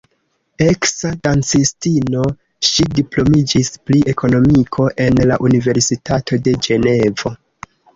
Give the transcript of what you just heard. Eksa dancistino, ŝi diplomiĝis pri ekonomiko en la Universitato de Ĝenevo.